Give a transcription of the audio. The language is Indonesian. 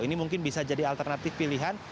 ini mungkin bisa jadi alternatif pilihan